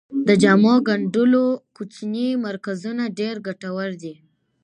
د جامو ګنډلو کوچني مرکزونه ډیر ګټور دي.